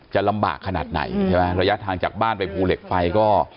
จะลำบากขนาดไหนใช่ไหมระยะทางจากบ้านไปภูเหล็กไฟก็